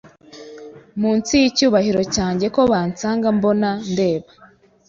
munsi yicyubahiro cyanjye ko basanga mbona ndeba.